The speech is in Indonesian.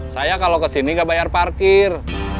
saya kalau kesini nggak bayar parkir